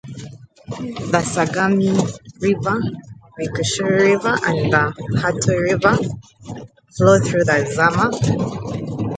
The Sagami River, Mekushiri River, and the Hato River flow through Zama.